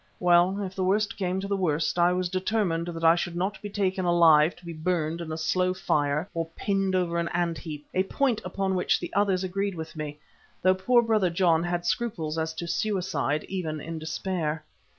Well, if the worst came to the worst I was determined that I would not be taken alive to be burned in a slow fire or pinned over an ant heap, a point upon which the others agreed with me, though poor Brother John had scruples as to suicide, even in despair.